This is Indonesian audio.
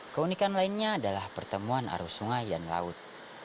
keunikan lainnya adalah pertemuan arus sungai dan laut